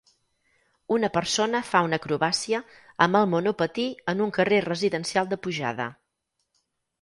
Una persona fa una acrobàcia amb el monopatí en un carrer residencial de pujada.